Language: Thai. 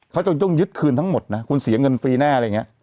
เขาต้องยึดคืนทั้งหมดนะคุณเสียเงินฟรีแน่อะไรอย่างนี้